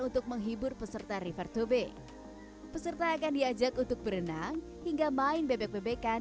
untuk menghibur peserta river tubing peserta akan diajak untuk berenang hingga main bebek bebekan